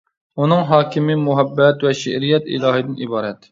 ئۇنىڭ ھاكىمى مۇھەببەت ۋە شېئىرىيەت ئىلاھىدىن ئىبارەت.